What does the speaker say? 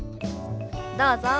どうぞ。